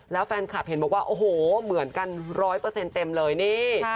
แล้วแฟนคลับเห็นบอกว่าโอ้โหเหมือนกัน๑๐๐เต็มเลยนี่